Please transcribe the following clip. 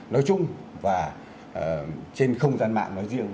nói chung và trên không gian mạng nói riêng